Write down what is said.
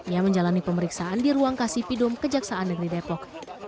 ia menjalani pemeriksaan di ruang kasipidum kejaksaan negeri depok